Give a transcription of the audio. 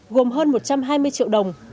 gồm hơn một trăm hai mươi triệu đồng